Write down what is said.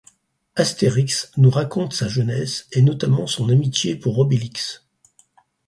Astérix nous raconte sa jeunesse et notamment son amitié pour Obélix.